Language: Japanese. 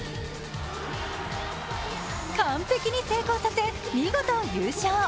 完璧に成功させ見事優勝。